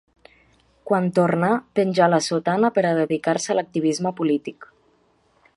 Quan tornà penjà la sotana per a dedicar-se a l'activisme polític.